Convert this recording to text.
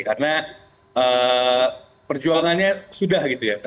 karena perjuangannya sudah gitu ya